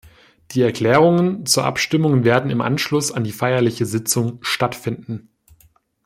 Die Erklärungen zur Abstimmung werden im Anschluss an die feierliche Sitzung stattfinden.